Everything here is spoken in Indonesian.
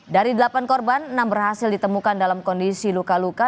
dari delapan korban enam berhasil ditemukan dalam kondisi luka luka